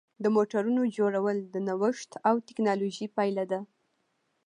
د موټرونو جوړول د نوښت او ټېکنالوژۍ پایله ده.